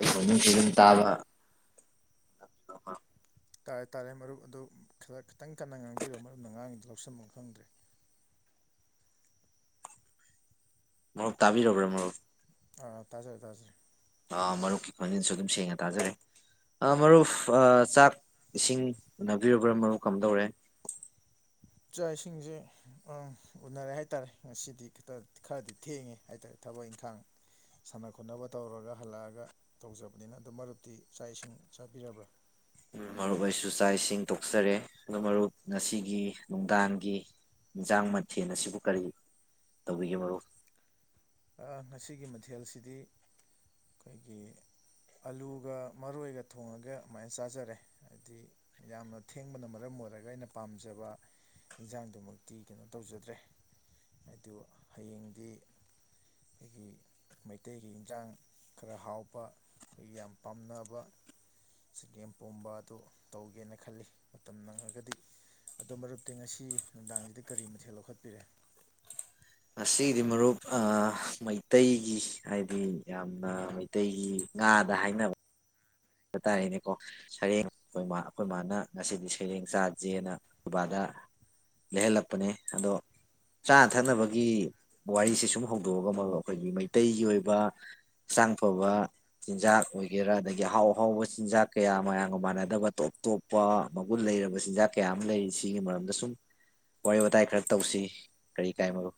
ꯑꯩꯨꯝ [unintelligible] ꯀꯝ ꯇꯥꯕ ꯇꯥꯔꯦ ꯇꯥꯔꯦ ꯃꯔꯨꯞ ꯑꯗꯨ ꯈꯤꯇꯪ ꯀꯟꯅ ꯉꯥꯡꯕꯤꯔꯣ ꯃꯔꯨꯞꯅ ꯉꯥꯡꯒꯤꯗꯨ ꯂꯧꯁꯟꯕꯝ ꯈꯪꯗ꯭ꯔꯦ ꯃꯔꯨꯞ ꯇꯥꯕꯤꯔꯔꯕ꯭ꯔ ꯃꯔꯨꯞ ꯑꯥ ꯇꯥꯖꯔꯦ ꯇꯥꯖꯔꯦ ꯃꯔꯨꯞꯀꯤ ꯈꯣꯟꯖꯤꯟꯁꯨ ꯑꯗꯨꯝ ꯁꯦꯡꯅ ꯇꯥꯖꯔꯦ ꯑ ꯃꯔꯨꯞ ꯆꯥꯛ ꯏꯁꯤꯡ ꯎꯅꯕꯤꯨꯔꯕ꯭ꯔꯥ ꯃꯔꯨꯞ ꯀꯝ ꯗꯧꯔꯦ ꯆꯥꯛ ꯏꯁꯤꯡꯁꯦ ꯎꯅꯔꯦ ꯍꯥꯏꯇꯥꯔꯦ ꯉꯁꯤꯗꯤ ꯈꯤꯇ ꯈꯔꯗꯤ ꯊꯦꯡꯉꯦ ꯍꯥꯏꯇꯥꯔꯦ ꯊꯕꯛ ꯏꯪꯈꯥꯡ ꯁꯥꯟꯅ ꯈꯣꯠꯅꯕ ꯇꯧꯔꯒ ꯍꯜꯂꯛꯑꯒ ꯇꯧꯖꯕꯅꯤꯅ ꯑꯗꯨ ꯃꯔꯨꯞꯇꯤ ꯆꯥꯛ ꯏꯁꯤꯡ ꯆꯥꯕꯤꯔꯕ꯭ꯔꯥ ꯃꯔꯨꯞ ꯑꯣꯏꯁꯨ ꯆꯥꯛ ꯏꯁꯤꯡ ꯇꯣꯛꯆꯔꯦ ꯑꯗꯣ ꯃꯔꯨꯞ ꯉꯁꯤꯒꯤ ꯅꯨꯡꯗꯥꯡꯒꯤ ꯏꯟꯁꯥꯡ ꯃꯊꯦꯜ ꯑꯁꯤꯕꯨ ꯀꯔꯤ ꯇꯧꯕꯤꯒꯦ ꯃꯔꯨꯞ ꯍꯥꯏꯗꯤ ꯑꯩꯈꯣꯏꯒꯤ ꯑꯂꯨꯒ ꯃꯔꯣꯏꯒ ꯊꯣꯡꯉꯒ ꯑꯗꯨꯃꯥꯏꯅ ꯆꯥꯖꯔꯦ ꯍꯥꯏꯗꯤ ꯌꯥꯝꯅ ꯊꯦꯡꯕꯅ ꯃꯔꯝ ꯑꯣꯏꯔꯒ ꯑꯩꯅ ꯄꯥꯝꯖꯕ ꯏꯟꯖꯥꯡꯗꯨꯃꯛꯇꯤ ꯀꯩꯅꯣ ꯇꯧꯖꯗ꯭ꯔꯦ ꯑꯗꯨ ꯍꯌꯦꯡꯗꯤ ꯑꯩꯈꯣꯏꯒꯤ ꯃꯩꯇꯩꯒꯤ ꯏꯟꯁꯥꯡ ꯈꯔ ꯍꯥꯎꯕ ꯑꯩꯈꯣꯏꯒꯤ ꯌꯥꯝ ꯄꯥꯝꯅꯕ ꯆꯒꯦꯝ ꯄꯣꯝꯕ ꯑꯗꯨ ꯇꯧꯒꯦꯅ ꯈꯜꯂꯤ ꯃꯇꯝ ꯅꯪꯉꯒꯗꯤ ꯑꯗꯨ ꯃꯔꯨꯞꯗꯤ ꯉꯁꯤ ꯅꯨꯡꯗꯥꯡꯁꯤꯗ ꯀꯔꯤ ꯃꯊꯦꯜ ꯂꯧꯈꯠꯄꯤꯔꯦ ꯉꯁꯤꯒꯤꯗꯤ ꯃꯔꯨꯞ ꯃꯩꯇꯩꯒꯤ ꯍꯥꯏꯗꯤ ꯌꯥꯝꯅ ꯃꯩꯇꯩꯒꯤ ꯉꯥꯗ ꯍꯥꯏꯅꯕ ꯍꯥꯏꯕ ꯇꯥꯔꯦꯅꯦꯀꯣ ꯁꯩꯔꯦꯡ ꯑꯩꯈꯣꯏ ꯑꯩꯈꯣꯏ ꯃꯥꯅ ꯉꯁꯤꯗꯤ ꯁꯩꯔꯦꯡ ꯆꯥꯖꯦꯅ ꯕꯥꯕꯥꯗ ꯂꯩꯍꯜꯂꯛꯄꯅꯦ ꯑꯗꯣ ꯆꯥꯅ ꯊꯛꯅꯕꯒꯤ ꯋꯥꯔꯤꯁꯦ ꯁꯨꯝ ꯍꯧꯗꯣꯛꯑꯒ ꯑꯩꯈꯣꯏꯒꯤ ꯃꯩꯇꯩꯒꯤ ꯑꯣꯏꯕ ꯍꯛꯆꯥꯡ ꯐꯕ ꯆꯤꯟꯖꯥꯛ ꯑꯣꯏꯒꯦꯔꯥ ꯑꯗꯒꯤ ꯑꯍꯥꯎ ꯑꯐꯥꯎꯕ ꯆꯤꯟꯖꯥꯛ ꯀꯌꯥ ꯃꯌꯥꯝꯒ ꯃꯥꯟꯅꯗꯕ ꯇꯣꯞ ꯇꯣꯞꯄ ꯃꯒꯨꯟ ꯂꯩꯔꯕ ꯆꯤꯟꯖꯥꯛ ꯀꯌꯥ ꯑꯃ ꯂꯩꯔꯤ ꯁꯤꯒꯤ ꯃꯔꯝꯗ ꯁꯨꯝ ꯋꯥꯔꯤ ꯋꯥꯇꯥꯏ ꯈꯔ ꯇꯧꯁꯤ ꯀꯔꯤ ꯀꯥꯏ ꯃꯔꯨꯞ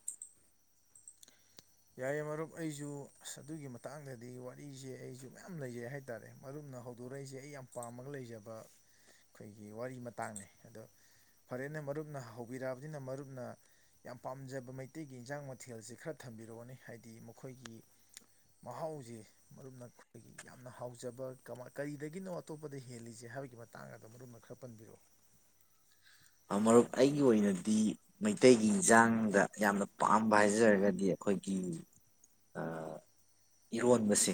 ꯌꯥꯏꯦ ꯃꯔꯨꯞ ꯑꯩꯁꯨ ꯑꯗꯨꯒꯤ ꯃꯇꯥꯡꯗꯗꯤ ꯋꯥꯔꯤꯁꯦ ꯑꯩꯁꯨ ꯃꯌꯥꯝ ꯂꯩꯖꯩ ꯍꯥꯏꯇꯥꯔꯦ ꯃꯔꯨꯞꯅ ꯍꯧꯗꯣꯔꯛꯏꯁꯦ ꯑꯩ ꯌꯥꯝ ꯄꯥꯝꯃꯒ ꯂꯩꯖꯕ ꯑꯩꯈꯣꯏꯒꯤ ꯋꯥꯔꯤ ꯃꯇꯥꯡꯅꯤ ꯑꯗꯣ ꯐꯔꯦꯅ ꯃꯔꯨꯞꯅ ꯍꯧꯕꯤꯔꯛꯑꯕꯅꯤꯅ ꯃꯔꯨꯞꯅ ꯌꯥꯝ ꯄꯥꯝꯖꯕ ꯃꯩꯇꯩꯒꯤ ꯏꯟꯖꯥꯡ ꯃꯊꯦꯜꯁꯦ ꯈꯔ ꯊꯝꯕꯤꯔ ꯔꯛꯑꯣꯅꯤ ꯍꯥꯏꯗꯤ ꯃꯈꯣꯏꯒꯤ ꯃꯍꯥꯎꯁꯦ ꯃꯔꯨꯞꯅ ꯑꯩꯈꯣꯏꯒꯤ ꯌꯥꯝꯅ ꯍꯥꯎꯖꯕ ꯀꯃ ꯀꯔꯤꯗꯒꯤꯅꯣ ꯑꯇꯣꯞꯄꯗ ꯍꯦꯜꯂꯤꯁꯦ ꯍꯥꯏꯕꯒꯤ ꯃꯇꯥꯡ ꯑꯗꯣ ꯃꯔꯨꯞꯅ ꯈꯔ ꯄꯟꯕꯤꯔꯛꯑꯣ ꯃꯔꯨꯞ ꯑꯩꯒꯤ ꯑꯣꯏꯅꯗꯤ ꯃꯩꯇꯩꯒꯤ ꯏꯟꯖꯥꯡꯗ ꯌꯥꯝꯅ ꯄꯥꯝꯕ ꯍꯥꯏꯖꯔꯒꯗꯤ ꯑꯩꯈꯣꯏꯒꯤ ꯏꯔꯣꯟꯕꯁꯦ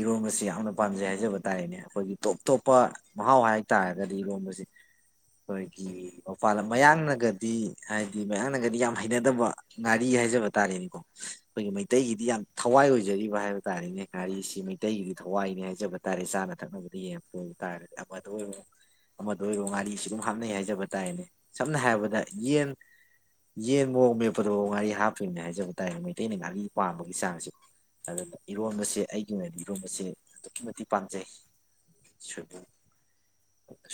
ꯏꯔꯣꯟꯕꯁꯦ ꯌꯥꯝꯅ ꯄꯥꯝꯖꯩ ꯍꯥꯏꯖꯕ ꯇꯥꯔꯦꯅꯦ ꯑꯩꯈꯣꯏꯒꯤ ꯇꯣꯞ ꯇꯣꯞꯄ ꯃꯍꯥꯎ ꯍꯥꯏ ꯇꯥꯔꯒꯗꯤ ꯏꯔꯣꯟꯕꯁꯦ ꯑꯩꯈꯣꯏ ꯑꯩꯈꯣꯏꯒꯤ ꯃꯄꯥꯟ ꯂꯝ ꯃꯌꯥꯡꯅꯒꯗꯤ ꯍꯥꯏꯗꯤ ꯃꯌꯥꯡꯅꯒꯗꯤ ꯌꯥꯝ ꯍꯩꯅꯗꯕ ꯉꯥꯔꯤ ꯍꯥꯏꯖꯕ ꯇꯥꯔꯦꯅꯦꯀꯣ ꯑꯩꯈꯣꯏꯒꯤ ꯃꯩꯇꯩꯒꯤꯗꯤ ꯌꯥꯝ ꯊꯋꯥꯏ ꯑꯣꯏꯖꯔꯤꯕ ꯍꯥꯏꯕ ꯇꯥꯔꯦꯅꯦ ꯉꯥꯔꯤꯁꯤ ꯃꯩꯇꯩꯒꯤꯗꯤ ꯊꯋꯥꯏꯅꯤ ꯍꯥꯏꯖꯕ ꯇꯥꯔꯦ ꯆꯥꯅ ꯊꯛꯅꯕꯗ ꯌꯦꯡꯉ ꯊꯣꯛ ꯑꯣꯏꯕ ꯇꯥꯔꯒꯗꯤ ꯑꯃꯗ ꯑꯣꯏꯔꯣ ꯑꯃꯗ ꯑꯣꯏꯔꯣ ꯉꯥꯔꯤꯁꯤ ꯑꯗꯨꯝ ꯍꯥꯞꯅꯩ ꯍꯥꯏꯖ ꯍꯥꯏꯖꯕ ꯇꯥꯥꯏꯅꯦ ꯁꯝꯅ ꯍꯥꯏꯔꯕꯗ ꯌꯦꯟ ꯌꯦꯟ ꯃꯔꯣꯛ ꯃꯦꯞꯄꯗꯣ ꯉꯥꯔꯤ ꯍꯥꯞꯄꯝꯅꯦ ꯍꯥꯏꯖꯕ ꯇꯥꯔꯅꯦ ꯃꯩꯇꯩꯅ ꯉꯥꯔꯤ ꯄꯥꯝꯕꯒꯤ ꯆꯥꯡꯁꯦ ꯑꯗꯨꯅ ꯏꯔꯣꯟꯕꯁꯦ ꯑꯩꯒꯤ ꯑꯣꯏꯅꯗꯤ ꯏꯔꯣꯟꯕꯁꯦ ꯑꯗꯨꯛꯀꯤ ꯃꯇꯤꯛ ꯄꯥꯝꯖꯩ ꯁꯣꯏꯕꯨꯝ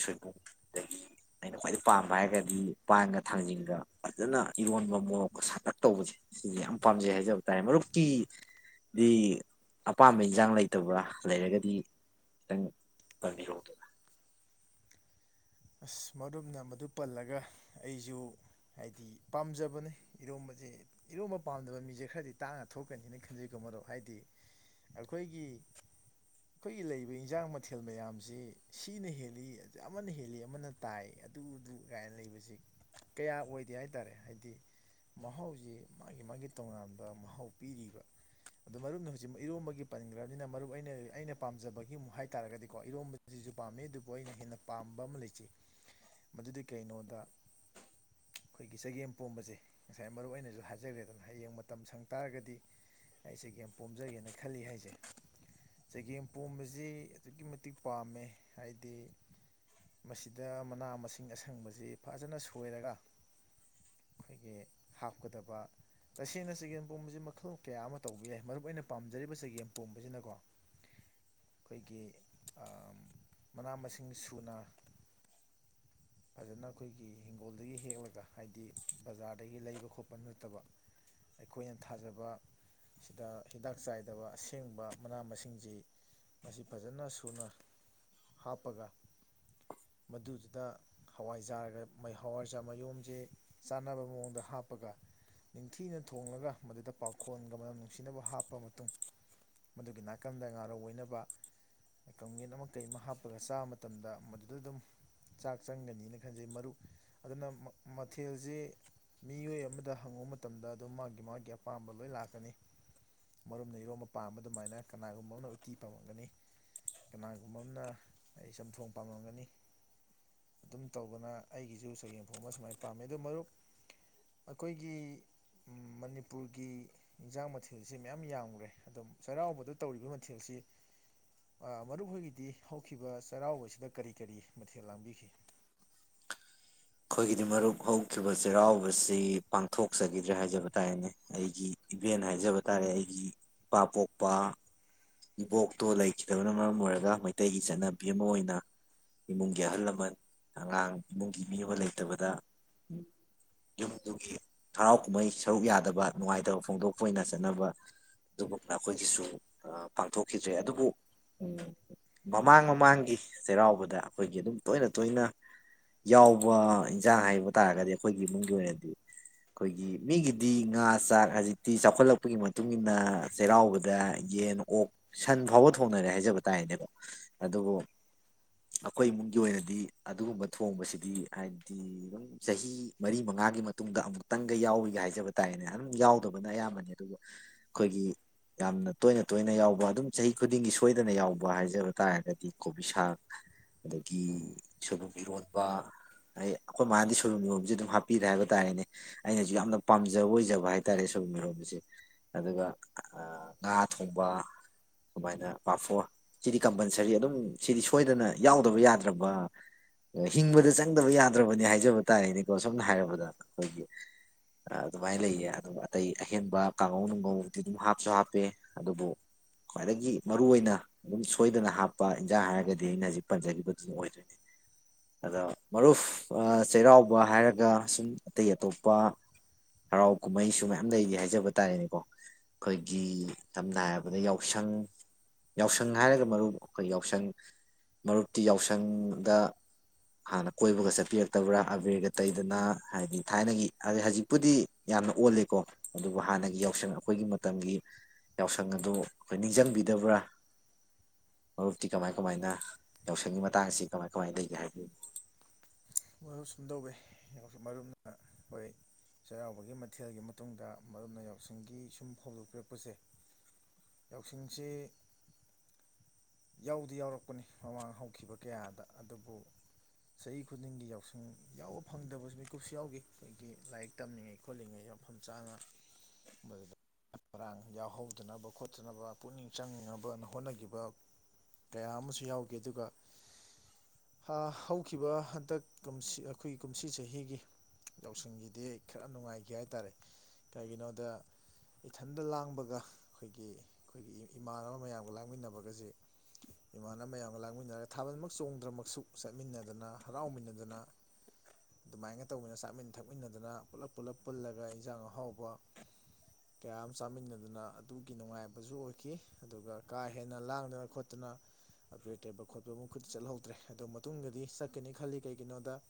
ꯁꯣꯏꯕꯨꯝꯗꯒꯤ ꯑꯩꯅ ꯈ꯭ꯋꯥꯏꯗꯩ ꯄꯥꯝꯕ ꯍꯥꯏꯔꯒꯗꯤ ꯄꯥꯟꯒ ꯊꯥꯡꯖꯤꯡꯒ ꯐꯖꯅ ꯏꯔꯣꯟꯕ ꯃꯣꯔꯣꯛꯀ ꯁꯇꯛ ꯇꯧꯕꯁꯦ ꯁꯤꯁꯦ ꯌꯥꯝ ꯄꯥꯝꯖꯩ ꯍꯥꯏꯖꯕ ꯇꯥꯔꯦ ꯃꯔꯨꯞꯀꯤꯗꯤ ꯑꯄꯥꯝꯕ ꯏꯟꯁꯥꯡ ꯂꯩꯇꯕ꯭ꯔꯥ ꯂꯩꯔꯒꯗꯤ ꯈꯤꯇꯪ ꯇꯥꯛꯄꯤꯔꯛꯑꯣ ꯑꯁ ꯃꯔꯨꯞꯅ ꯃꯗꯨ ꯄꯜꯂꯒ ꯑꯩꯁꯨ ꯍꯥꯏꯗꯤ ꯄꯥꯝꯖꯕꯅꯤ ꯏꯔꯣꯝꯕꯁꯦ ꯏꯔꯣꯝꯕ ꯄꯥꯝꯗꯕ ꯃꯤꯁꯦ ꯈꯔꯗꯤ ꯇꯥꯡꯅ ꯊꯣꯛꯀꯅꯤꯅ ꯈꯟꯖꯩꯀꯣ ꯃꯔꯨꯞ ꯍꯥꯏꯗꯤ ꯑꯩꯈꯣꯏꯒꯤ ꯑꯩꯈꯣꯏꯒꯤ ꯂꯩꯔꯤꯕ ꯏꯟꯖꯥꯡ ꯃꯊꯦꯜ ꯃꯌꯥꯝꯁꯤ ꯁꯤꯅ ꯍꯦꯜꯂꯤ ꯑꯗꯩ ꯑꯃꯅ ꯍꯦꯜꯂꯤ ꯑꯃꯅ ꯇꯥꯏ ꯑꯗꯨꯗꯨ ꯀꯥꯏꯅ ꯂꯩꯕꯁꯤ ꯀꯌꯥ ꯑꯣꯏꯗꯦ ꯍꯥꯏꯇꯥꯔꯦ ꯍꯥꯏꯗꯤ ꯃꯍꯥꯎꯁꯤ ꯃꯥꯒꯤ ꯃꯥꯒꯤ ꯇꯣꯉꯥꯟꯕ ꯃꯍꯥꯎ ꯄꯤꯔꯤꯕ ꯑꯗꯣ ꯃꯔꯨꯞꯅ ꯍꯧꯖꯤꯛꯃꯛ ꯏꯔꯣꯝꯕꯒꯤ ꯄꯟꯈ꯭ꯔꯕꯅꯤꯅ ꯃꯔꯨꯞ ꯑꯩꯅ ꯑꯩꯅ ꯄꯥꯝꯖꯕꯒꯤ ꯑꯃꯨꯛ ꯍꯥꯏꯇꯥꯔꯒꯗꯤꯀꯣ ꯏꯔꯣꯝꯕꯁꯤꯁꯨ ꯄꯥꯝꯃꯤ ꯑꯗꯨꯕꯨ ꯑꯩꯅ ꯍꯦꯟꯅ ꯄꯥꯝꯕ ꯑꯃ ꯂꯩꯖꯩ ꯃꯗꯨꯗꯤ ꯀꯩꯅꯣꯗ ꯑꯩꯈꯣꯏꯒꯤ ꯆꯒꯦꯝ ꯄꯣꯝꯕꯁꯦ ꯉꯁꯥꯏ ꯃꯔꯨꯞ ꯑꯩꯅꯁꯨ ꯍꯥꯏꯖꯈ꯭ꯔꯦꯗꯅ ꯍꯌꯦꯡ ꯃꯇꯝ ꯁꯪ ꯇꯥꯔꯒꯗꯤ ꯑꯩ ꯆꯒꯦꯝ ꯄꯣꯝꯖꯒꯦꯅ ꯈꯜꯂꯤ ꯍꯥꯏꯁꯦ ꯆꯒꯦꯝ ꯄꯣꯝꯕꯁꯤ ꯑꯗꯨꯛꯀꯤ ꯃꯇꯤꯛ ꯄꯥꯝꯃꯦ ꯍꯥꯏꯗꯤ ꯃꯁꯤꯗ ꯃꯅꯥ ꯃꯁꯤꯡ ꯑꯁꯪꯕꯁꯤ ꯐꯖꯅ ꯁꯣꯏꯔꯒ ꯑꯩꯈꯣꯏꯒꯤ ꯍꯥꯞꯀꯗꯕ ꯇꯁꯦꯡꯅ ꯆꯒꯦꯝ ꯄꯣꯝꯕꯁꯤ ꯃꯈꯜ ꯀꯌꯥ ꯑꯃ ꯇꯧꯕ ꯌꯥꯏ ꯃꯔꯨ ꯑꯣꯏꯅ ꯄꯥꯝꯖꯔꯤꯕ ꯆꯒꯦꯝ ꯄꯣꯝꯕꯁꯤꯅꯀꯣ ꯑꯩꯈꯣꯏꯒꯤ ꯃꯅꯥ ꯃꯁꯤꯡ ꯁꯨꯅ ꯐꯖꯅ ꯑꯩꯈꯣꯏꯒꯤ ꯍꯤꯡꯒꯣꯜꯗꯒꯤ ꯍꯦꯛꯂꯒ ꯍꯥꯏꯕꯗꯤ ꯕꯖꯥꯔꯗꯒꯤ ꯂꯩꯕ ꯈꯣꯠꯄ ꯅꯠꯇꯕ ꯑꯩꯈꯣꯏꯅ ꯊꯥꯖꯕ ꯁꯤꯗ ꯍꯤꯗꯥꯛ ꯆꯥꯏꯗꯕ ꯑꯁꯦꯡꯕ ꯃꯅꯥ ꯃꯁꯤꯡꯁꯤ ꯃꯁꯤ ꯐꯖꯅ ꯁꯨꯅ ꯍꯥꯞꯄꯒ ꯃꯗꯨꯗꯨꯗ ꯍꯋꯥꯏꯖꯥꯔꯒ ꯍꯋꯥꯏꯖꯥꯔ ꯃꯌꯨꯝꯁꯦ ꯆꯥꯅꯕ ꯃꯑꯣꯡꯗ ꯍꯥꯞꯄꯒ ꯅꯤꯡꯊꯤꯅ ꯊꯣꯡꯂꯒ ꯃꯗꯨꯗ ꯄꯥꯎꯈꯣꯟꯒ ꯃꯅꯝ ꯅꯨꯡꯁꯤꯅꯕ ꯍꯥꯞꯄ ꯃꯇꯨꯡ ꯃꯗꯨꯒꯤ ꯅꯥꯀꯟꯗ ꯉꯥꯔꯧ ꯑꯣꯏꯅꯕ ꯀꯝꯒꯠ ꯑꯃ ꯀꯩ ꯑꯃ ꯍꯥꯞꯄꯒ ꯆꯥꯕ ꯃꯇꯝꯗ ꯑꯗꯨ ꯑꯗꯨꯝ ꯆꯥꯛ ꯆꯪꯒꯅꯤꯅ ꯈꯟꯖꯩ ꯃꯔꯨꯞ ꯑꯗꯨꯅ ꯃꯊꯦꯜꯁꯤ ꯃꯤꯑꯣꯏ ꯑꯃꯗ ꯍꯪꯉꯨꯕ ꯃꯇꯝꯗ ꯑꯗꯨꯝ ꯃꯥꯒꯤ ꯃꯥꯒꯤ ꯑꯄꯥꯝꯕ ꯂꯣꯏ ꯂꯥꯛꯀꯅꯤ ꯃꯔꯨꯝꯅ ꯏꯔꯣꯝꯕ ꯄꯥꯝꯕ ꯑꯗꯨꯃꯥꯏꯅ ꯀꯅꯥꯒꯨꯝꯕ ꯑꯃꯅ ꯎꯇꯤ ꯄꯥꯝꯂꯝꯝꯒꯅꯤ ꯀꯅꯥꯒꯨꯝꯕ ꯑꯃꯅ ꯑꯩ ꯆꯝꯊꯣꯡ ꯄꯥꯝꯂꯝꯝꯒꯅꯤ ꯑꯗꯨꯝ ꯇꯧꯕꯅ ꯑꯩꯒꯤꯁꯨ ꯆꯌꯦꯡꯐꯣꯡ ꯑꯃ ꯁꯨꯃꯥꯏꯅ ꯄꯥꯝꯃꯦ ꯑ ꯃꯔꯨꯞ ꯑꯩꯈꯣꯏꯒꯤ ꯃꯅꯤꯄꯨꯔꯒꯤ ꯏꯟꯖꯥꯡ ꯃꯊꯦꯜꯁꯤ ꯃꯌꯥꯝ ꯌꯥꯝꯈ꯭ꯔꯦ ꯑꯣ ꯆꯩꯔꯥꯎꯕꯗ ꯇꯧꯔꯤꯕ ꯃꯊꯦꯜꯁꯤ ꯃꯔꯨꯞꯈꯣꯏꯒꯤꯗꯤ ꯍꯧꯈꯤꯕ ꯆꯩꯔꯥꯎꯕꯁꯤꯗ ꯀꯔꯤ ꯀꯔꯤ ꯃꯊꯦꯜ ꯂꯥꯡꯕꯤꯈꯤ ꯑꯩꯈꯣꯏꯒꯤꯗꯤ ꯃꯔꯨꯞ ꯍꯧꯈꯤꯕ ꯆꯩꯔꯥꯎꯕꯁꯤ ꯄꯥꯡꯊꯣꯛꯆꯈꯤꯗ꯭ꯔꯦ ꯍꯥꯏꯖꯕ ꯇꯥꯔꯦꯅꯦ ꯑꯩꯒꯤ ꯏꯚꯦꯟ ꯍꯥꯏꯖꯕ ꯇꯥꯔꯦ ꯑꯩꯒꯤ ꯏꯄꯥ ꯄꯣꯛꯄ ꯏꯕꯣꯛꯇꯣ ꯂꯩꯈꯤꯗꯕꯅ ꯃꯔꯝ ꯑꯣꯏꯔꯒ ꯃꯩꯇꯩꯒꯤ ꯆꯠꯅꯕꯤ ꯑꯃ ꯑꯣꯏꯅ ꯏꯃꯨꯡꯒꯤ ꯑꯍꯜ ꯂꯃꯟ ꯑꯉꯥꯡ ꯏꯃꯨꯡꯒꯤ ꯃꯤꯑꯣꯕ ꯂꯩꯇꯕꯗ ꯌꯨꯝꯗꯨꯒꯤ ꯍꯔꯥꯎ ꯀꯨꯝꯍꯩ ꯁꯔꯨꯛ ꯌꯥꯗꯕ ꯅꯨꯡꯉꯥꯏꯇꯕ ꯐꯣꯡꯗꯣꯛꯄ ꯑꯣꯏꯅ ꯆꯠꯅꯕ ꯑꯗꯨꯒꯨꯝꯅ ꯑꯩꯈꯣꯏꯒꯤꯁꯨ ꯄꯥꯡꯊꯣꯛꯈꯤꯗ꯭ꯔꯦ ꯑꯗꯨꯕꯨ ꯃꯃꯥꯡ ꯃꯃꯥꯡꯒꯤ ꯆꯩꯔꯥꯎꯕꯗ ꯑꯩꯈꯣꯏꯒꯤ ꯑꯗꯨꯝ ꯇꯣꯏꯅ ꯇꯣꯏꯅ ꯌꯥꯎꯕ ꯏꯟꯁꯥꯡ ꯍꯥꯏꯕ ꯇꯥꯔꯒꯗꯤ ꯑꯩꯈꯣꯏꯒꯤ ꯏꯃꯨꯡꯒꯤ ꯑꯣꯏꯅꯗꯤ ꯑꯩꯈꯣꯏꯒꯤ ꯃꯤꯒꯤꯗꯤ ꯉꯥ ꯆꯥꯛ ꯍꯧꯖꯤꯛꯇꯤ ꯆꯥꯎꯈꯠꯂꯛꯄꯒꯤ ꯃꯇꯨꯡ ꯏꯟꯅ ꯆꯩꯔꯥꯎꯕꯗ ꯌꯦꯟ ꯑꯣꯛ ꯁꯟ ꯐꯥꯎꯕ ꯊꯣꯡꯅꯔꯦ ꯍꯥꯏꯖꯕ ꯇꯥꯔꯅꯦꯀꯣ ꯑꯗꯨꯕꯨ ꯑꯩꯈꯣꯏ ꯏꯃꯨꯡꯒꯤ ꯑꯣꯏꯅꯗꯤ ꯑꯗꯨꯒꯨꯝꯕ ꯊꯣꯡꯕꯁꯤꯗꯤ ꯍꯥꯏꯗꯤ ꯍꯥꯏꯗꯤ ꯑꯗꯨꯝ ꯆꯍꯤ ꯃꯔꯤ ꯃꯉꯥꯒꯤ ꯃꯇꯨꯡꯗ ꯑꯃꯨꯛꯇꯪꯒ ꯌꯥꯎꯏꯒ ꯍꯥꯏꯖꯕ ꯇꯥꯔꯦꯅꯦ ꯑꯗꯨꯝ ꯌꯥꯎꯗꯕꯅ ꯑꯌꯥꯝꯕꯅꯤ ꯑꯗꯨꯕꯨ ꯑꯩꯈꯣꯏꯒꯤ ꯌꯥꯝꯅ ꯇꯣꯏꯅ ꯇꯣꯏꯅ ꯌꯥꯎꯕ ꯑꯗꯨꯝ ꯆꯍꯤ ꯈꯨꯗꯤꯡꯒꯤ ꯁꯣꯏꯗꯅ ꯌꯥꯎꯕ ꯍꯥꯏꯖꯕ ꯇꯥꯔꯒꯗꯤ ꯀꯣꯕꯤ ꯁꯥꯛ ꯑꯗꯒꯤ ꯁꯣꯏꯕꯨꯝ ꯏꯔꯣꯟꯕ ꯑꯩ ꯑꯩꯈꯣꯏ ꯃꯥꯅꯗꯤ ꯁꯣꯏꯕꯨꯝ ꯃꯤꯔꯣꯝꯁꯦ ꯑꯗꯨꯝ ꯍꯥꯞꯄꯤꯔꯦ ꯍꯥꯏꯕ ꯇꯥꯔꯦꯅꯦ ꯑꯩꯅꯁꯨ ꯌꯥꯝꯅ ꯄꯥꯝꯖꯕ ꯑꯣꯏꯖꯕ ꯍꯥꯏ ꯇꯥꯔꯦ ꯁꯣꯏꯕꯨꯝ ꯃꯤꯔꯣꯁꯦ ꯑꯗꯨꯒ ꯉꯥ ꯊꯣꯡꯕ ꯁꯨꯃꯥꯏꯅ ꯄꯥꯐꯣꯔ ꯁꯤꯗꯤ ꯀꯝꯄꯜꯁꯔꯤ ꯑꯗꯨꯝ ꯁꯤꯗꯤ ꯁꯣꯏꯗꯅ ꯌꯥꯎꯗꯕ ꯌꯥꯗ꯭ꯔꯕ ꯍꯤꯡꯕꯗ ꯆꯠ ꯈꯪꯗꯕ ꯌꯥꯗ꯭ꯔꯕꯅꯤ ꯍꯥꯏꯖꯕ ꯇꯥꯔꯦꯅꯦꯀꯣ ꯁꯝꯅ ꯍꯥꯏꯔꯕꯗ ꯑꯩꯈꯣꯏꯒꯤ ꯑꯗꯨꯃꯥꯏꯅ ꯂꯩꯌꯦ ꯑꯗꯨꯝ ꯑꯇꯩ ꯑꯍꯦꯟꯕ ꯀꯥꯡꯉꯧ ꯅꯨꯡꯉꯧꯗꯤ ꯑꯗꯨꯝ ꯍꯥꯞꯁꯨ ꯍꯥꯞꯄꯦ ꯑꯗꯨꯕꯨ ꯈ꯭ꯋꯥꯏꯗꯒꯤ ꯃꯔꯨꯑꯣꯏ ꯑꯣꯏꯅ ꯑꯗꯨꯝ ꯁꯣꯏꯗꯅ ꯍꯥꯞꯄ ꯏꯟꯖꯥꯡ ꯍꯥꯏꯔꯒꯗꯤ ꯑꯩꯅ ꯍꯧꯖꯤꯛ ꯄꯟꯖꯈꯤꯕꯗꯨꯅ ꯑꯣꯏꯗꯣꯏꯅꯦ ꯑꯗꯣ ꯃꯔꯨꯞ ꯆꯩꯔꯥꯎꯕ ꯍꯥꯏꯔꯒ ꯁꯨꯝ ꯑꯇꯩ ꯑꯇꯣꯞꯄ ꯍꯔꯥꯎ ꯀꯨꯝꯍꯩꯁꯨ ꯃꯌꯥꯝ ꯂꯩꯒ ꯍꯥꯏꯖꯕ ꯇꯥꯔꯦꯅꯦꯀꯣ ꯑꯩꯈꯣꯏꯒꯤ ꯁꯝꯅ ꯍꯥꯏꯔꯕꯗ ꯌꯥꯎꯁꯪ ꯌꯥꯎꯁꯪ ꯍꯥꯏꯔꯒ ꯃꯔꯨꯞ ꯑꯩꯈꯣꯏ ꯌꯥꯎꯁꯪ ꯃꯔꯨꯞꯇꯤ ꯌꯥꯎꯁꯪꯗ ꯍꯥꯟꯅ ꯀꯣꯏꯕꯒ ꯆꯠꯄꯤꯔꯛꯇꯕ꯭ꯔꯥ ꯑꯕꯦꯔꯒ ꯇꯩꯗꯅ ꯍꯥꯏꯗꯤ ꯊꯥꯏꯅꯒꯤ ꯍꯥꯏꯗꯤ ꯍꯧꯖꯤꯛꯄꯨꯗꯤ ꯌꯥꯝꯅ ꯑꯣꯜꯂꯦꯀꯣ ꯑꯗꯨꯕꯨ ꯍꯥꯟꯅꯒꯤ ꯌꯥꯎꯁꯪ ꯑꯩꯈꯣꯏꯒꯤ ꯃꯇꯝꯒꯤ ꯌꯥꯎꯁꯪ ꯑꯗꯨꯗꯣ ꯑꯩꯈꯣꯏ ꯅꯤꯡꯁꯤꯡꯕꯤꯗꯕ꯭ꯔꯥ ꯃꯔꯨꯞꯇꯤ ꯀꯃꯥꯏ ꯀꯃꯥꯏꯅ ꯌꯥꯎꯁꯪꯒꯤ ꯃꯇꯥꯡꯁꯤ ꯀꯃꯥꯏ ꯀꯃꯥꯏꯅ ꯂꯩꯒꯦ ꯍꯥꯏꯕꯤ ꯃꯔꯨꯞ ꯁꯨꯝ ꯇꯧꯋꯦ ꯃꯔꯨꯞꯅ ꯑꯩꯈꯣꯏ ꯆꯩꯔꯥꯎꯕꯒꯤ ꯃꯊꯦꯜꯒꯤ ꯃꯇꯨꯡꯗ ꯃꯔꯨꯞꯅ ꯌꯥꯎꯁꯪꯒꯤ ꯁꯨꯝ ꯐꯧꯗꯣꯛꯄꯤꯔꯛꯄꯁꯦ ꯌꯥꯎꯁꯪꯁ ꯌꯥꯎꯗꯤ ꯌꯥꯎꯔꯛꯄꯅꯤ ꯃꯃꯥꯡ ꯍꯧꯈꯤꯕ ꯀꯌꯥꯗ ꯑꯗꯨꯕꯨ ꯆꯍꯤ ꯈꯨꯗꯤꯡꯒꯤ ꯌꯥꯎꯁꯪ ꯌꯥꯎꯕ ꯐꯪꯗꯕꯁꯨ ꯃꯤꯀꯨꯞꯁꯨ ꯌꯥꯎꯈꯤ ꯑꯩꯈꯣꯏꯒꯤ ꯂꯥꯏꯔꯤꯛ ꯇꯝꯂꯤꯉꯩ ꯈꯣꯠꯂꯤꯉꯩ ꯃꯐꯝ ꯆꯥꯅ ꯃꯗꯨꯗ ꯃꯔ ꯃꯔꯥꯡ ꯌꯥꯎꯍꯧꯗꯅꯕ ꯈꯣꯠꯇꯅꯕ ꯄꯨꯛꯅꯤꯡ ꯆꯪꯅꯕ ꯍꯣꯠꯅꯈꯤꯕ ꯀꯌꯥ ꯑꯃꯁꯨ ꯌꯥꯎꯈꯤ ꯑꯗꯨꯒ ꯍꯧꯈꯤꯕ ꯍꯟꯗꯛ ꯀꯨꯝꯁꯤ ꯑꯩꯈꯣꯏꯒꯤ ꯀꯨꯝꯁꯤ ꯆꯍꯤꯒꯤ ꯌꯥꯎꯁꯪꯒꯤꯗꯤ ꯈꯔ ꯅꯨꯡꯉꯥꯏꯈꯤ ꯍꯥꯏꯇꯥꯔꯦ ꯀꯔꯤꯒꯤꯅꯣꯗ ꯏꯊꯟꯗ ꯂꯥꯡꯕꯒ ꯑꯩꯈꯣꯏꯒꯤ ꯑꯩꯈꯣꯏꯒꯤ ꯏꯃꯥꯟꯅꯕ ꯃꯌꯥꯝꯒ ꯂꯥꯡꯃꯤꯟꯅꯕꯒꯁꯤ ꯏꯃꯥꯟꯅꯕ ꯃꯌꯥꯝꯒ ꯂꯥꯡꯃꯤꯟꯅꯔꯒ ꯊꯥꯕꯜꯃꯛ ꯆꯣꯡꯗ꯭ꯔꯃꯛꯁꯨ ꯆꯠꯃꯤꯟꯅꯗꯅ ꯍꯔꯥꯎꯃꯤꯟꯅꯗꯅ ꯑꯗꯨꯃꯥꯏꯅ ꯇꯧꯃꯤꯟꯅ ꯆꯥꯃꯤꯟ ꯊꯛꯃꯤꯟꯅꯗꯅ ꯄꯨꯂꯞ ꯄꯨꯜꯂꯞ ꯄꯨꯜꯂꯒ ꯏꯟꯖꯥꯡ ꯑꯍꯥꯎꯕ ꯀꯌꯥ ꯑꯃ ꯆꯥꯃꯤꯟꯅꯗꯅ ꯑꯗꯨꯒꯤ ꯅꯨꯡꯉꯥꯏꯕꯁꯨ ꯑꯣꯏꯈꯤ ꯑꯗꯨꯒ ꯀꯥ ꯍꯦꯟꯅ ꯂꯥꯡꯗꯅ ꯈꯣꯠꯇꯅ ꯑꯄꯦꯔ ꯑ ꯇꯦꯕ ꯈꯣꯠꯄ ꯃꯈꯨꯠꯇ ꯆꯠꯍꯧꯗ꯭ꯔꯦ ꯑꯗꯨ ꯃꯇꯨꯡꯗꯗꯤ ꯀꯅꯤ ꯈꯜꯂꯤ ꯀꯩꯒꯤꯅꯣꯗ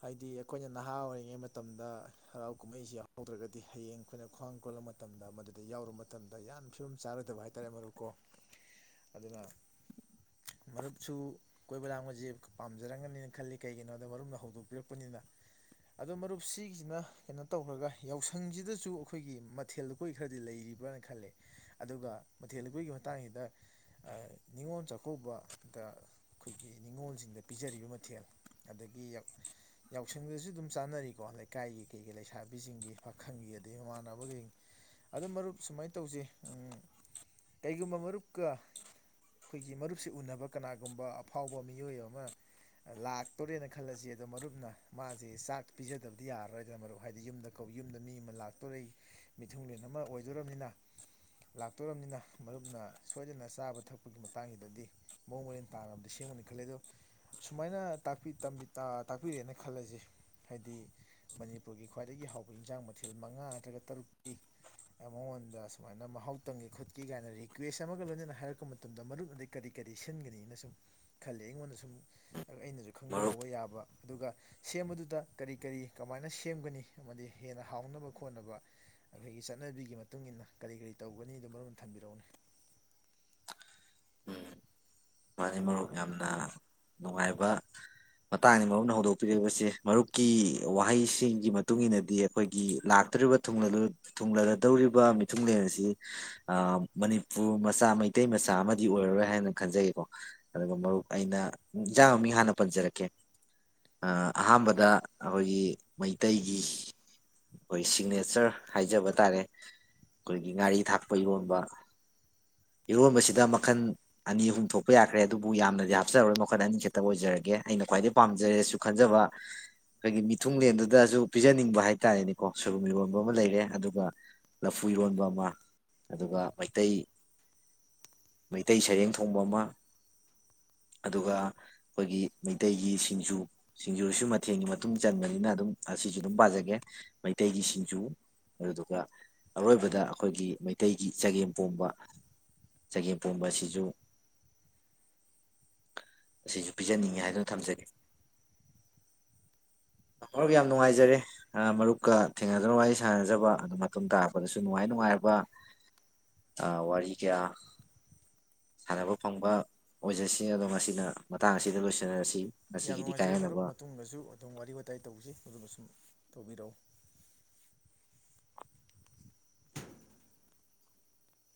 ꯍꯥꯏꯗꯤ ꯑꯩꯈꯣꯏꯅ ꯅꯍꯥ ꯑꯣꯏꯔꯤꯉꯩ ꯃꯇꯝꯗ ꯍꯔꯥꯎ ꯀꯨꯝꯍꯩꯁꯤ ꯌꯥꯎꯍꯧꯗ꯭ꯔꯒꯗꯤ ꯍꯌꯦꯡ ꯑꯩꯈꯣꯏꯅ ꯈ꯭ꯋꯥꯡ ꯀꯣꯜꯂꯕ ꯃꯇꯝꯗ ꯃꯗꯨꯗ ꯌꯥꯎꯔꯨꯕ ꯃꯇꯝꯗ ꯌꯥꯝ ꯐꯤꯕꯝ ꯆꯥꯔꯣꯏꯗꯕ ꯍꯥꯏꯇꯥꯔꯦ ꯃꯔꯨꯞꯀꯣ ꯑꯗꯨꯅ ꯃꯔꯨꯞꯁꯨ ꯀꯣꯏꯕ ꯂꯥꯡꯕꯁꯦ ꯄꯥꯝꯖꯔꯝꯒꯅꯤꯅ ꯈꯜꯂꯤ ꯀꯩꯒꯤꯅꯣꯗ ꯃꯔꯨꯝꯅ ꯍꯧꯗꯣꯛꯄꯤꯔꯛꯄꯅꯤꯅ ꯑꯗꯣ ꯃꯔꯨꯞ ꯁꯤꯒꯤꯁꯤꯅ ꯀꯩꯅꯣ ꯇꯧꯈ꯭ꯔꯒ ꯌꯥꯎꯁꯪꯁꯤꯗꯁꯨ ꯑꯩꯈꯣꯏꯒꯤ ꯃꯊꯦꯜ ꯂꯨꯀꯣꯏ ꯈꯔꯗꯤ ꯂꯩꯔꯤꯕ꯭ꯔꯅ ꯈꯜꯂꯤꯦ ꯑꯗꯨꯒ ꯃꯊꯦꯜ ꯂꯨꯀꯣꯏꯒꯤ ꯃꯇꯥꯡꯁꯤꯗ ꯅꯤꯉꯣꯜ ꯆꯥꯛꯀꯧꯕꯗ ꯑꯩꯈꯣꯏꯒꯤ ꯉꯣꯜ ꯗ ꯄꯤꯖꯔꯤꯕ ꯃꯊꯦꯜ ꯑꯗꯒꯤ ꯌꯥꯎꯁꯪꯗꯁꯨ ꯑꯗꯨꯝ ꯆꯥꯟꯅꯔꯤꯀꯣ ꯂꯩꯀꯥꯏꯒꯤ ꯀꯩꯀꯩ ꯂꯩꯁꯥꯕꯤꯁꯤꯡꯒꯤ ꯄꯥꯈꯪꯒꯤ ꯑꯗꯗꯒꯤ ꯃꯃꯥꯟꯅꯕꯒ ꯑꯗꯨꯣ ꯃꯔꯨꯞ ꯁꯨꯃꯥꯏꯅ ꯇꯧꯖꯩ ꯀꯩꯒꯨꯝꯕ ꯃꯔꯨꯞꯀ ꯑꯩꯈꯣꯏꯒꯤ ꯃꯔꯨꯞꯁꯤꯦ ꯎꯅꯕ ꯀꯅꯥꯒꯨꯝꯕ ꯑꯐꯥꯎꯕ ꯃꯤꯑꯣꯏ ꯑꯃ ꯑꯃ ꯂꯥꯛꯇꯣꯔꯦꯅ ꯈꯜꯂꯁꯤ ꯑꯗꯣ ꯃꯔꯨꯞꯅ ꯃꯥꯁꯦ ꯆꯥꯛ ꯄꯤꯖꯗꯕꯗꯤ ꯌꯥꯔꯔꯣꯏꯗꯅ ꯃꯔꯨꯞ ꯍꯥꯏꯗꯤ ꯌꯨꯝꯗ ꯀꯧ ꯌꯨꯝꯗ ꯃꯤ ꯑꯃ ꯂꯥꯛꯇꯣꯔꯦ ꯃꯤꯊꯨꯡꯂꯦꯟ ꯑꯃ ꯑꯣꯏꯗꯣꯔꯝꯅꯤꯅ ꯂꯥꯛꯇꯣꯔꯝꯅꯤꯅ ꯃꯔꯨꯞꯅ ꯁꯣꯏꯗꯅ ꯆꯥꯕ ꯊꯛꯄꯒꯤ ꯃꯇꯥꯡꯁꯤꯗꯗꯤ ꯃꯑꯣꯡ ꯃꯔꯦꯟ ꯇꯥꯡꯉꯕꯗꯤ ꯁꯦꯝꯒꯅꯤ ꯈꯜꯂꯦ ꯑꯗꯣ ꯁꯨꯃꯥꯏꯅꯄꯤ ꯇꯥꯛꯄꯤꯔꯛꯦꯅ ꯈꯜꯂꯁꯦ ꯍꯥꯏꯗꯤ ꯃꯅꯤꯄꯨꯔꯒꯤ ꯈ꯭ꯋꯥꯏꯗꯒꯤ ꯍꯥꯎꯕ ꯏꯟꯖꯥꯡ ꯃꯊꯦꯜ ꯃꯉꯥ ꯅꯠꯇ꯭ꯔꯒ ꯇꯔꯨꯛꯀꯤ ꯃꯉꯣꯟꯗ ꯁꯨꯃꯥꯏꯅ ꯃꯍꯥꯎ ꯇꯪꯒꯦ ꯈꯣꯠꯀꯦ ꯀꯥꯏꯅ ꯔꯤꯀ꯭ꯋꯦꯁ ꯑꯃꯒ ꯂꯣꯏꯅꯅ ꯍꯥꯏꯔꯛꯄ ꯃꯇꯝꯗ ꯃꯔꯨꯞꯅꯗꯤꯩ ꯀꯔꯤ ꯀꯔꯤ ꯁꯤꯟꯒꯅꯤꯅ ꯁꯨꯝ ꯈꯜꯜꯂꯤꯦ ꯑꯩꯉꯣꯟꯗꯁꯨ ꯑꯩꯅꯁꯨ ꯃꯔꯨꯞ ꯈꯪꯖꯍꯧꯕ ꯌꯥꯕ ꯑꯗꯨꯒ ꯁꯦꯝꯕꯗꯨꯗ ꯀꯔꯤ ꯀꯔꯤ ꯀꯃꯥꯏꯅ ꯁꯦꯝꯒꯅꯤ ꯑꯃꯗꯤ ꯍꯦꯟꯅ ꯍꯥꯎꯅꯕ ꯈꯣꯠꯅꯕ ꯑꯩꯈꯣꯏꯒꯤ ꯆꯠꯅꯕꯤꯒꯤ ꯃꯇꯨꯡ ꯏ ꯃꯇꯨꯡꯏꯟꯅ ꯀꯔꯤ ꯀꯔꯤ ꯇꯧꯒꯅꯤ ꯑꯗꯨ ꯃꯔꯅ ꯊꯝꯕꯤꯔꯛꯎꯅꯤ ꯎꯝ ꯃꯥꯅꯤ ꯃꯔꯨꯞ ꯌꯥꯝꯅ ꯅꯨꯡꯉꯥꯏꯕ ꯃꯇꯥꯡꯅꯤ ꯃꯔꯨꯞꯅ ꯍꯧꯗꯣꯛꯄꯤꯔꯛꯏꯕꯁꯦ ꯃꯔꯨꯞꯀꯤ ꯋꯥꯍꯩꯁꯤꯡꯒꯤ ꯃꯇꯨꯡ ꯏꯟꯅꯗꯤ ꯑꯩꯈꯣꯏꯒꯤ ꯂꯥꯛꯇꯧꯔꯤꯕ ꯊꯨꯡꯂꯒꯗꯧꯔꯤꯕ ꯃꯤꯊꯨꯡꯂꯦꯟ ꯑꯁꯤ ꯃꯅꯤꯄꯨꯔ ꯃꯆꯥ ꯃꯩꯇꯩ ꯃꯆꯥ ꯑꯃꯗꯤ ꯑꯣꯏꯔꯔꯣꯏ ꯍꯥꯏꯅ ꯈꯟꯖꯒꯀꯣ ꯑꯗꯨꯒ ꯃꯔꯨꯞ ꯑꯩꯅ ꯌꯦꯟꯖꯥꯡ ꯃꯃꯤꯡ ꯍꯥꯟꯅ ꯄꯟꯖꯔꯛꯀꯦ ꯑꯍꯥꯟꯕꯗ ꯑꯩꯈꯣꯏꯒꯤ ꯃꯩꯇꯩꯒꯤ ꯑꯩꯈꯣꯏ ꯁꯤꯒꯅꯦꯆꯔ ꯍꯥꯏꯖꯕ ꯇꯥꯔꯦ ꯑꯩꯈꯣꯏꯒꯤ ꯉꯥꯔꯤ ꯊꯥꯛꯄ ꯏꯔꯣꯟꯕ ꯏꯔꯣꯟꯕꯁꯤꯗ ꯃꯈꯜ ꯑꯅꯤ ꯑꯍꯨꯝ ꯊꯣꯛ ꯍꯥꯞꯄ ꯌꯥꯈ꯭ꯔꯦ ꯑꯗꯨꯕꯨ ꯌꯥꯝꯅꯗꯤ ꯍꯥꯞꯆꯔꯔꯣꯏ ꯃꯈꯜ ꯑꯅꯤꯈꯛꯇ ꯑꯣꯏꯖꯔꯒꯦ ꯑꯩꯅ ꯈ꯭ꯋꯥꯏꯗꯒꯤ ꯄꯥꯖꯔꯦꯁꯨ ꯈꯟꯖꯕ ꯑꯩꯈꯣꯏꯒꯤ ꯃꯤꯊꯨꯡꯂꯦꯟꯗꯨꯗꯁꯨ ꯄꯤꯖꯅꯤꯡꯕ ꯍꯥꯏꯇꯥꯥꯔꯦꯅꯦꯀꯣ ꯁꯣꯏꯕꯨꯝ ꯏꯔꯣꯟꯕ ꯑꯃ ꯂꯩꯔꯦ ꯑꯗꯨꯒ ꯂꯐꯨ ꯏꯔꯣꯟꯕ ꯑꯃ ꯑꯗꯨꯒ ꯃꯩꯇꯩ ꯃꯩꯇꯩ ꯁꯩꯔꯦꯡ ꯊꯣꯡꯕ ꯑꯃ ꯑꯗꯨꯒ ꯑꯩꯈꯣꯏꯒꯤ ꯃꯩꯇꯩꯒꯤ ꯁꯤꯡꯖꯨ ꯁꯤꯡꯖꯨꯁꯨ ꯃꯊꯦꯜꯒꯤ ꯃꯇꯨꯡ ꯆꯟꯕꯅꯤꯅ ꯑꯗꯨꯝ ꯑꯁꯤꯁꯨ ꯑꯗꯨꯝ ꯄꯥꯖꯒꯦ ꯃꯩꯇꯩꯒꯤ ꯁꯤꯡꯖꯨ ꯑꯗꯨꯗꯨꯒ ꯑꯔꯣꯏꯕꯗ ꯑꯩꯈꯣꯏꯒꯤ ꯃꯩꯇꯩꯒꯤ ꯆꯒꯦꯝꯄꯣꯝꯕ ꯆꯒꯦꯝꯄꯣꯝꯕ ꯑꯁꯤꯁꯨ ꯑꯁꯤꯁꯨ ꯄꯤꯖꯅꯤꯡꯉꯤ ꯍꯥꯏꯗꯨꯅ ꯊꯝꯖꯒꯦ ꯍ ꯌꯥꯝ ꯅꯨꯡꯉꯥꯏꯖꯔꯦ ꯃꯔꯨꯞꯀ ꯊꯦꯡꯅꯗꯨꯅ ꯋꯥꯔꯤ ꯁꯥꯟꯅꯖꯕ ꯑꯗꯨꯣ ꯃꯇꯨꯡ ꯇꯥꯔꯛꯄꯗꯁꯨ ꯅꯨꯡꯉꯥꯏ ꯅꯨꯡꯉꯥꯏꯔꯕ ꯋꯥꯔꯤ ꯀꯌꯥ ꯁꯥꯟꯅꯕ ꯐꯪꯕ ꯑꯣꯏꯖꯁꯤ ꯑꯗꯣ ꯃꯁꯤꯅ ꯃꯇꯥꯡ ꯑꯁꯤꯗ ꯂꯣꯏꯁꯤꯟꯅꯔꯁꯤ ꯌꯥꯝ ꯉꯁꯤꯒꯤꯗꯤ ꯅꯨꯡꯉꯥꯏꯖꯔꯦ ꯃꯔꯨꯞ ꯀꯥꯏꯍꯟꯅꯕ ꯃꯇꯨꯡꯗꯁꯨ ꯑꯗꯨꯝ ꯋꯥꯔꯤ ꯋꯥꯇꯥꯏ ꯇꯧꯖꯩ ꯑꯗꯨꯁꯨ ꯇꯧꯕꯤꯔꯛꯎ